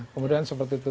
kemudian seperti itu